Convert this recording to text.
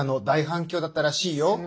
大反響だったらしいよ。